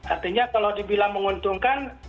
artinya kalau dibilang menguntungkan